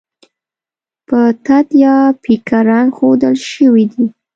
په تت یا پیکه رنګ ښودل شوي دي.